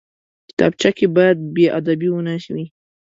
کتابچه کې باید بېادبي نه وي